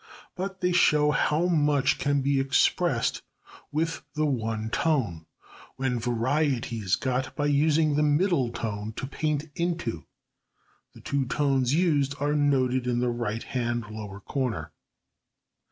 But they show how much can be expressed with the one tone, when variety is got by using the middle tone to paint into. The two tones used are noted in the right hand lower corner.